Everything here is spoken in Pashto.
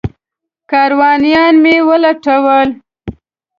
کاروانیان مې ولټول.